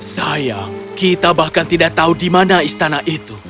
sayang kita bahkan tidak tahu di mana istana itu